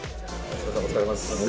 お疲れさまです。